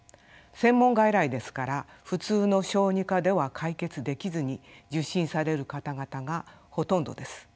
専門外来ですから普通の小児科では解決できずに受診される方々がほとんどです。